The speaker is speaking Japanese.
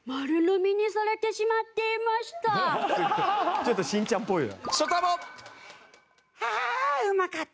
ちょっとしんちゃんっぽいな。